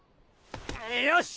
よし！